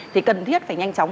thì cần thiết phải nhanh chóng